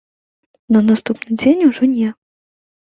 На наступны дзень ужо не.